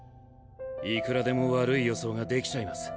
いくらでも悪い予想ができちゃいます。